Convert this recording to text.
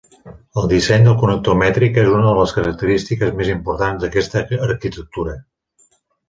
El disseny del connector mètric és una de les característiques més importants d'aquesta arquitectura.